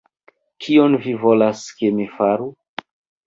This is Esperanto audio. Kion vi volas, ke mi faru?